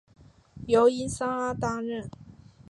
由伊桑阿接任。